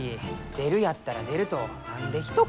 出るやったら出ると何でひと言。